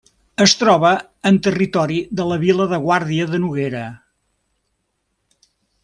Es troba en territori de la vila de Guàrdia de Noguera.